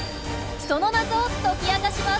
その謎を解き明かします！